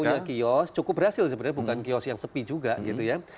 punya kios cukup berhasil sebenarnya bukan kios yang sepi juga gitu ya